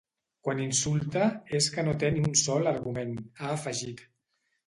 “Quan insulta és que no té ni un sol argument”, ha afegit.